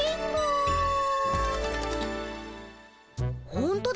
ほんとだ。